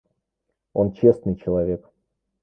Он честный человек.